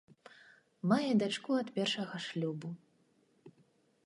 Мае дачку ад першага шлюбу.